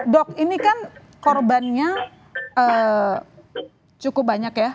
dok ini kan korbannya cukup banyak ya